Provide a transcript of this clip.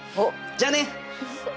じゃあね！